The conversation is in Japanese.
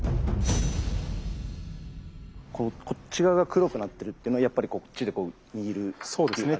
こっち側が黒くなってるっていうのはやっぱりこっちでこう握るっていう感じですね？